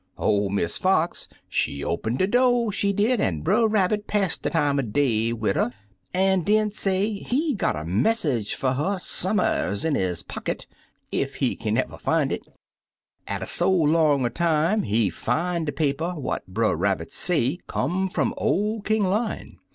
"or Miss Fox, she open de do', she did, an' Brer Rabbit pass de time er day wid 'er, an' den say he got a message fer her some'rs in his pocket, ef he kin y'ever fin' it. Alter so long a time, he fin' de paper what Brer Rabbit say come fum ol' King Lion.